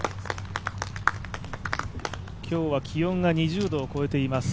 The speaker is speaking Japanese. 今日は気温が２０度を超えています